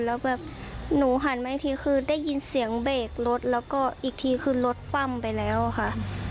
แล้วแบบหนูหันมาอีกทีคือได้ยินเสียงเบรกรถแล้วก็อีกทีคือรถคว่ำไปแล้วค่ะ